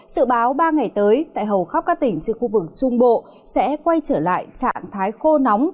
sự báo ba ngày tới tại hầu khắp các tỉnh trên khu vực trung bộ sẽ quay trở lại trạng thái khô nóng